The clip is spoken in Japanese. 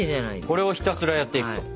これをひたすらやっていくと。